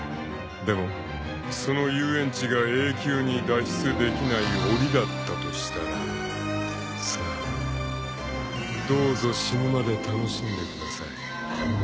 ［でもその遊園地が永久に脱出できないおりだったとしたらさあどうぞ死ぬまで楽しんでください］